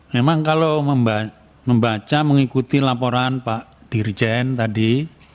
memang kalau membaca mengikuti laporan pak dirjen tadi